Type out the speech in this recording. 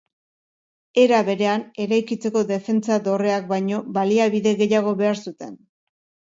Era berean, eraikitzeko defentsa dorreak baino baliabide gehiago behar zuten.